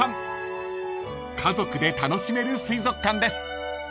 ［家族で楽しめる水族館です］